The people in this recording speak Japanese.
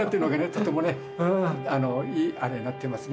とてもねいいあれになってますね。